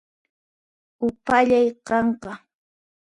Upallay qanqa